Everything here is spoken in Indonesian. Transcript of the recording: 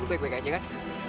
baik baik aja kan